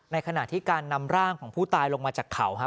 ขณะที่การนำร่างของผู้ตายลงมาจากเขาครับ